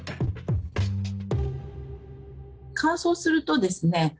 乾燥するとですね